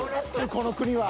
この国は。